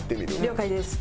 了解です。